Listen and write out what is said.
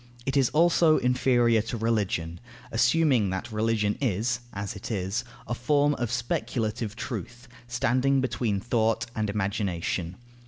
It is also inferior to Religion, assuming that religion is (as it is) a form of speculative truth, standing between thought and imagination.